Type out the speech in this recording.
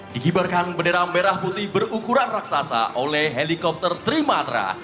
digibarkan bendera merah putih berukuran raksasa oleh helikopter trimatra